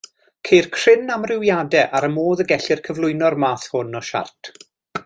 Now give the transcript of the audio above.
Ceir cryn amrywiadau ar y modd y gellir cyflwyno'r math hwn o siart.